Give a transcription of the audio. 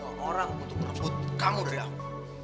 orang orang untuk merebut kamu dari aku